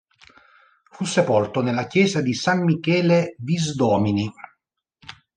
Fu sepolto nella chiesa di San Michele Visdomini.